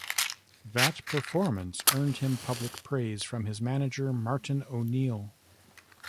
That performance earned him public praise from his manager, Martin O'Neill.